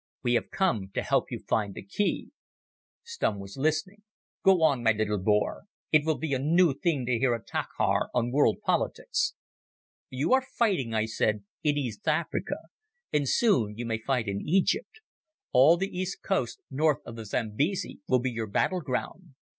We have come to help you to find the key." Stumm was listening. "Go on, my little Boer. It will be a new thing to hear a taakhaar on world politics." "You are fighting," I said, "in East Africa; and soon you may fight in Egypt. All the east coast north of the Zambesi will be your battle ground.